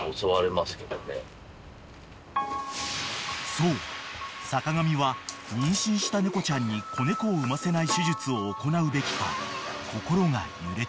［そう坂上は妊娠した猫ちゃんに子猫を産ませない手術を行うべきか心が揺れていた］